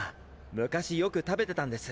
昔よく食べてたんです。